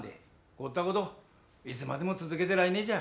ほったこと、いつまでも続けてられねえじゃ。